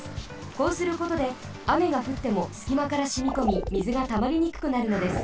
こうすることであめがふってもすきまからしみこみみずがたまりにくくなるのです。